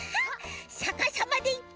さかさまでいって！